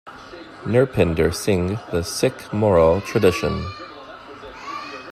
Nripinder Singh, The Sikh Moral Tradition.